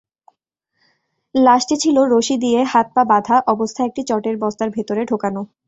লাশটি ছিল রশি দিয়ে হাত-পা বাঁধা অবস্থায় একটি চটের বস্তার ভেতরে ঢোকানো।